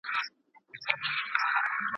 چي بهانه سي درته ګرانه پر ما ښه لګیږي